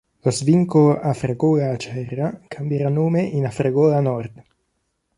Lo svincolo Afragola-Acerra cambierà nome in Afragola nord.